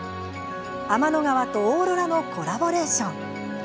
天の川とオーロラのコラボレーション。